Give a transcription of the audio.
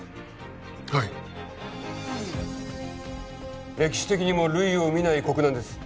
はい歴史的にも類を見ない国難です